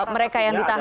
mereka yang ditahan